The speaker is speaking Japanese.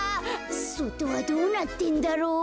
そとはどうなってんだろう。